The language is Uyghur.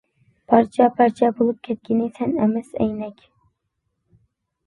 — پارچە پارچە بولۇپ كەتكىنى سەن ئەمەس، ئەينەك.